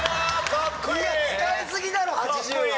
いや使い過ぎだろ８０は。